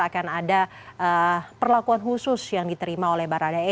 akan ada perlakuan khusus yang diterima oleh baradae